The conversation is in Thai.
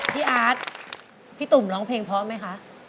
พี่อาร์ตพี่ตุ่มร้องเพลงพร้อมไหมคะ